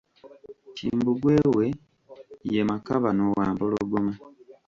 Kimbugwe we ye Makabano wa Mpologoma.